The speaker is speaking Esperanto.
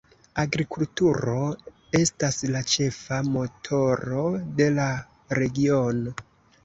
Agrikulturo estas la ĉefa motoro de la regiono.